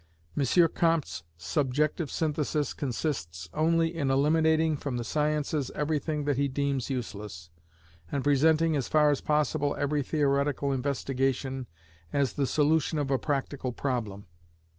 M. Comte's subjective synthesis consists only in eliminating from the sciences everything that he deems useless, and presenting as far as possible every theoretical investigation as the solution of a practical problem.